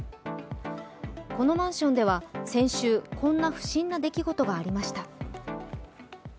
このマンションでは先週、こんな不審な出来事がありました。